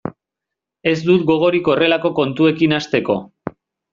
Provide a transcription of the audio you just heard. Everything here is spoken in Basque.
Ez dut gogorik horrelako kontuekin hasteko.